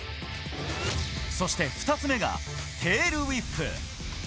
そして２つ目がテールウィップ。